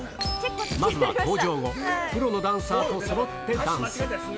まずは登場後、プロのダンサーとそろってダンス。